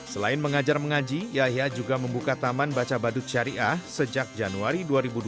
selain mengajar mengaji yahya juga membuka taman baca badut syariah sejak januari dua ribu dua puluh